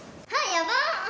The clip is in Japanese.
やばっ！